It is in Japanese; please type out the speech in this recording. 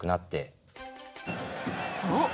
そう！